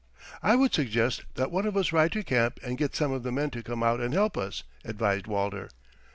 "I would suggest that one of us ride to camp and get some of the men to come out and help us," advised Walter.